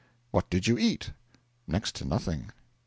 'What did you eat?' 'Next to nothing.'